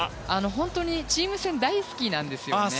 本当にチーム戦大好きなんですよね。